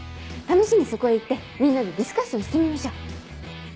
試しにそこへ行ってみんなでディスカッションしてみましょう。